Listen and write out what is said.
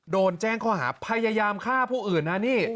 โดนแจ้งข้อหาพยายามฆ่าผู้อื่นนะนี่